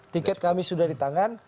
tiket kami sudah di tangan